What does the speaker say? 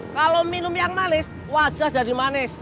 kalau minum yang manis wajah jadi manis